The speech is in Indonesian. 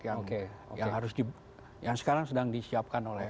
yang harus yang sekarang sedang disiapkan